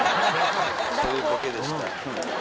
「そういうボケでした」